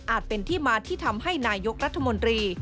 เป็นที่มาที่ทำให้นายกรัฐมนตรี